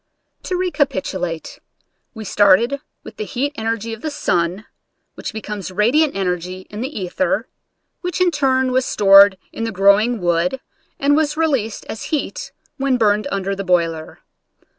To recapitulate: We started with the heat energy of the sun, which becomes radiant energy in the ether, which in turn was stored in the growing wood and was released as heat when burned under the boiler.